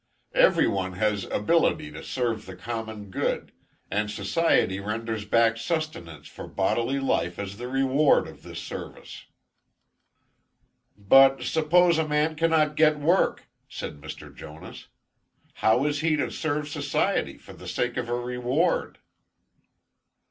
Every one has ability to serve the common good, and society renders back sustenance for bodily life as the reward of this service." "But, suppose a man cannot get work," said Mr. Jonas. "How is he to serve society, for the sake of a reward?"